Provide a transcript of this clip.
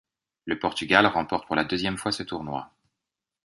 Le Portugal remporte pour la deuxième fois ce tournoi.